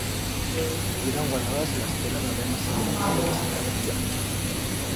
Yeran guardadas a la espera d'haber mas seguranza de que se i cabería.